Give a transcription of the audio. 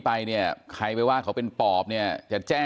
ไปเนี่ยใครไปว่าเขาเป็นปอบเนี่ยจะแจ้ง